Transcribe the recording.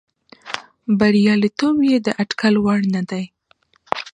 بریالیتوب یې د اټکل وړ نه دی.